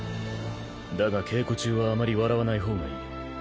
だが稽古中はあまり笑わない方がいい